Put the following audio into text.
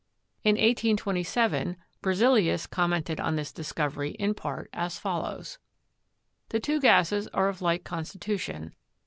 In 1827, Berzelius commented on this discovery in part as follows : "The two gases are of like constitution, but